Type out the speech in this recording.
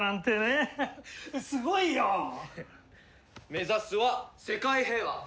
目指すは世界平和！